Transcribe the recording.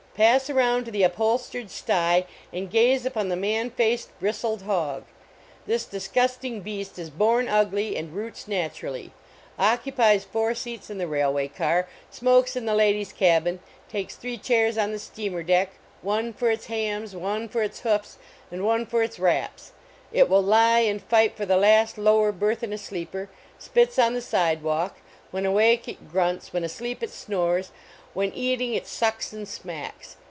Pass around to the upholstered sty, and gaze upon the Man faced Bristled Hog. This dis gusting beast is born ugly and roots natural ly ; occupies four seats in the railway car, smokes in the ladies cabin, takes three chairs on the steamer deck, one for its hams, one for its hoofs, and one for its wraps; it will lie and fight for the last lower berth in a sleeper ; pits on the sidewalk; when awake it grunts, when asleep it snores ; when eating it sucks and smacks.